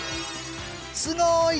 すごーい！